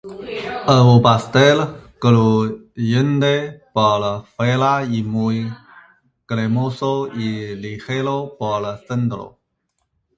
Es un pastel crujiente por fuera y muy cremoso y ligero por dentro.